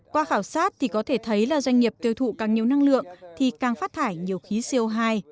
qua khảo sát thì có thể thấy là doanh nghiệp tiêu thụ càng nhiều năng lượng thì càng phát thải nhiều khí co hai